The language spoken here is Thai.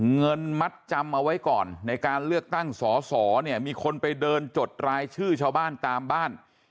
เงินมัดจำเอาไว้ก่อนในการเลือกตั้งสอสอเนี่ยมีคนไปเดินจดรายชื่อชาวบ้านตามบ้าน